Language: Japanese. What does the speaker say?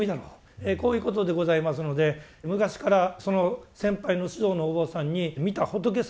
こういうことでございますので昔からその先輩の指導のお坊さんに見た仏様の姿状況